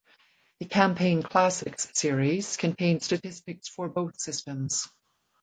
The "Campaign Classics" series contained statistics for both systems.